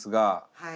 はい。